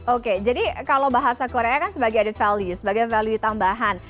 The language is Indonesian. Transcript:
oke jadi kalau bahasa korea kan sebagai added value sebagai value tambahan